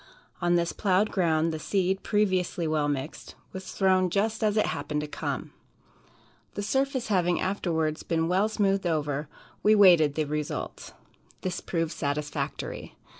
On this plowed ground, the seed, previously well mixed, was thrown just as it happened to come. The surface having afterwards been well smoothed over, we waited the result. This proved satisfactory.